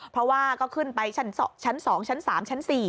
เพราะว่าก็ขึ้นไปชั้น๒ชั้น๓ชั้น๔